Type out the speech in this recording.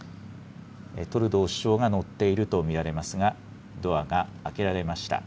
トルドー首相が乗っていると見られますが、ドアが開けられました。